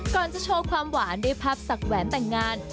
จะโชว์ความหวานด้วยภาพสักแหวนแต่งงาน